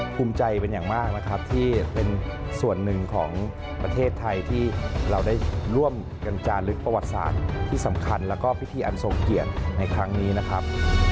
ภูมิใจเป็นอย่างมากนะครับที่เป็นส่วนหนึ่งของประเทศไทยที่เราได้ร่วมกันจาลึกประวัติศาสตร์ที่สำคัญแล้วก็พิธีอันทรงเกียรติในครั้งนี้นะครับ